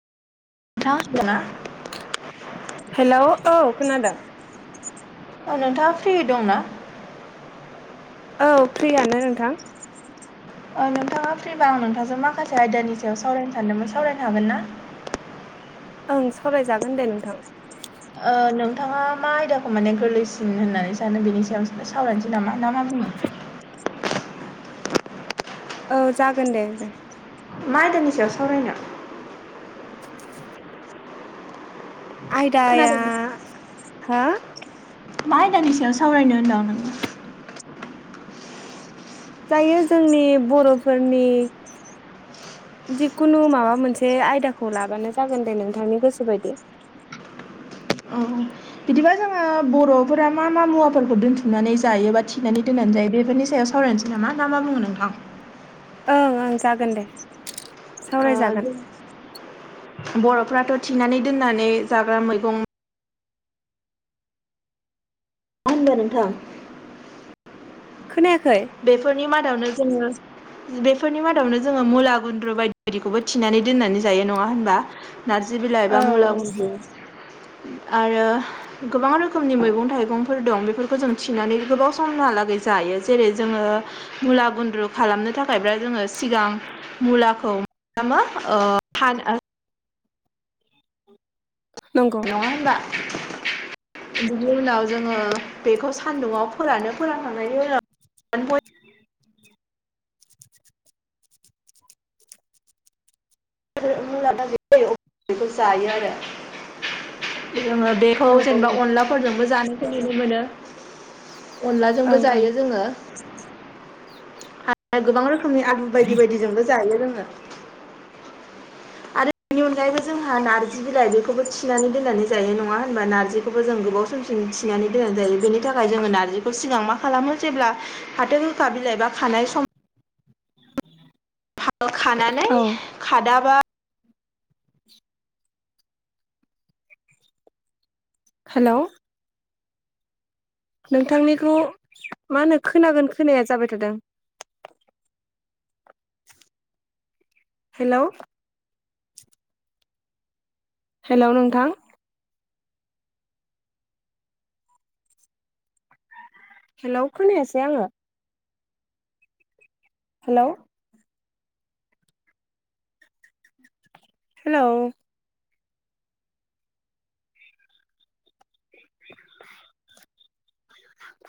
[unintelligible] Hello औ खोनादों अ नोंथाङा फ्रि दंना? औ फ्रियानो नोंथां। औ नोंथाङा फ्रिबा आं नोंथांजों माखासे आयदानि सायाव सावरायनो सानदोंमोन सावरायनो हागोन ना? ओं सावरायजागोन दे नोंथां। ओ नोंथाङा मा आयदाखौ माने गोरलैसिन होननानै सानो बिनि सायाव सावरायनोसै नामा ना मा बुङो? औ जागोन दे दे। मा आयदानि सायाव सावरायनो? [unintelligible] आयदाया खोनादों हा। मा आयदानि सायाव सावरायनो होनदों आं नोंथां? दायो जोंनि बर'फोरनि जिकुनु माबा मोनसे आयदाखौ लाबानो जागोन दे नोंथांनि गोसोबायदि। औ। बिदिबा जोङो बर'फोरा मा मा मुवाफोरखौ दोनथुमनानै जायो बा थिनानै दोननानै जायो बेफोरनि सायाव सावरायनोसै नामा बुङो नोंथां? ओं ओं जागोन दे सावरायजागोन बर'फ्राथ' थिनानै दोननानै जाग्रा मैगं मा होनबा नोंथां खोनायाखै? बेफोरनि मादावनो जोङो बेफोरनि मादावनो जोङो मुला गुन्द्रु बायदि बायदिखौबो थिनानै दोननानै जायो नङा होनबा? नारजि बिलाइ ए बा औ मुला औ [unintelligible] आरो गोबां रोखोमनि मैगं थाइगंफोर दं बेफोरखौ जों थिनानै गोबाव समहालागै जायो जेरै जोङो गुला गुन्द्रु खालामनो थाखायब्ला जोङो सिगां मुलाखौ [unintelligible] नंगौ [unintelligible] बिनि उनाव जोङो बेखौ सान्दुङाव फोरानो फोरानखांनायनि उनाव [unintelligible] बेखौ जायो आरो। जोङो बेखौ नंगौ जेनेबा औ अनलाफोरजोंबो जानो फैनो मोनो। अनलाजोंबो ओं ओं जायो जोङो [inaudible] आरो गोबां रोखोमनि आगु बायदि बायदिजोंबो जायो रोङो। बेनि अनगायैबो जोंहा नार्जि बिलाइ बेखौबो थिनानै दोननानै जायो नङा होनबा नारजि बे खौबो जों गोबाव समसि थिनानै दोननाय जायो बेनि थाखाय जोङो नारजिखौ सिगां मा खालामो जेब्ला फाथो गोखा बिलाइ बा खानाय सम [unintelligible] खानानै औ खादाबा हेल' नोंथांनिखौ मा होनो खोनागोन खोनाया जाबाय थादों हेल' हेल' नोंथां? हेल' खोनायासै आङो हेल' हेल' [inaudible]